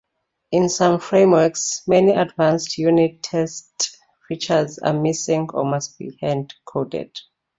In some frameworks many advanced unit test features are missing or must be hand-coded.